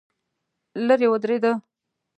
لرې ودرېده.